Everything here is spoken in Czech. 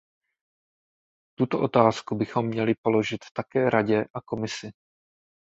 Tuto otázku bychom měli položit také Radě a Komisi.